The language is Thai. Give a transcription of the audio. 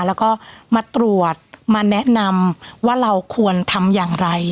แล้วก็มาตรวจมาแนะนำว่าเราควรทำอย่างไร